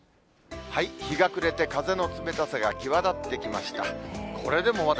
日が暮れて風の冷たさが際立ってきました。